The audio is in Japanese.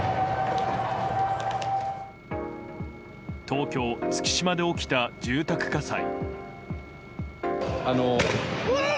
東京・月島で起きた住宅火災。